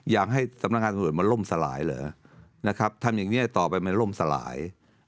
อยากให้สำนักงานตำรวจมันล่มสลายเหรอนะครับทำอย่างนี้ต่อไปมันล่มสลาย